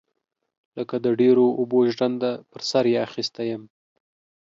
لکه د ډيرو اوبو ژرنده پر سر يې اخيستى يم.